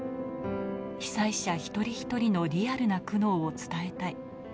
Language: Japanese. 被災者一人一人のリアルな苦悩を伝えたい。